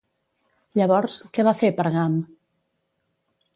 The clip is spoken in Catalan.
Llavors, què va fer Pergam?